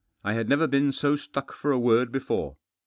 I had never been so stuck for a word before.